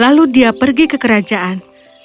lalu dia pergi ke kerajaan